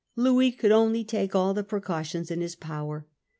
Louis could only take all the pre * cautions in his power.